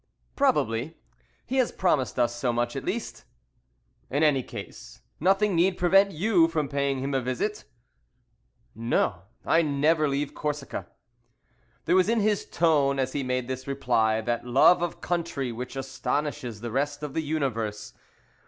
"Probably; he has promised us so much, at least." "In any case, nothing need prevent you from paying him a visit?" "No, I never leave Corsica." There was in his tone, as he made this reply, that love of country which astonishes the rest of the universe.